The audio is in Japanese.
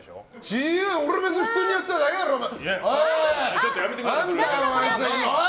違う、俺、別に普通にやっていただけだろうが。